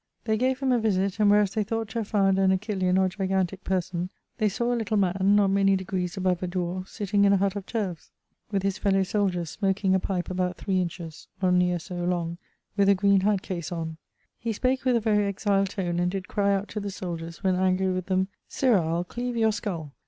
They gave him a visitt, and wheras they thought to have found an Achillean or gigantique person, they sawe a little man, not many degrees above a dwarfe, sitting in a hutt of turves, with his fellowe soldiers, smoaking a pipe about 3 inches (or neer so) long, with a green hatt case on. He spake with a very exile tone, and did cry out to the soldiers, when angry with them, 'Sirrah, I'le cleave your skull!'